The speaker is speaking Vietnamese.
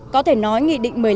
có thể nói nghị định một mươi năm